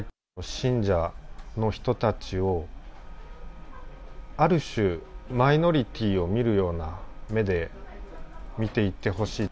信者の人たちを、ある種、マイノリティーを見るような目で見ていってほしい。